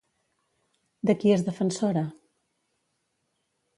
De qui és defensora?